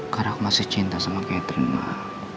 karena aku masih cinta sama catherine mbak